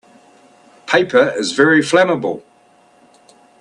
Paper is very flammable.